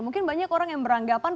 mungkin banyak orang yang beranggapan